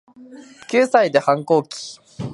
九歳で反抗期